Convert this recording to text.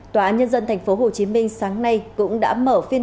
tòa án nhân dân tp hcm sáng nay cũng đã mở phiên